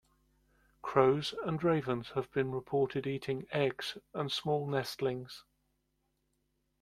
Crows and ravens have been reported eating eggs and small nestlings.